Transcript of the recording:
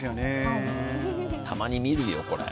たまに見るよ、これ。